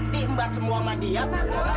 diembat semua madiam